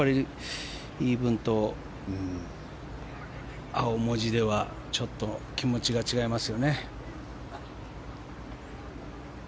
イーブンと青文字ではちょっと気持ちが違いますよね。